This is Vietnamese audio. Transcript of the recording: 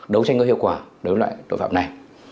đối với loại tội phạm này